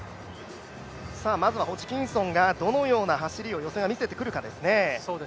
まずはホジキンソンがどのような走りを見せてくるかですね。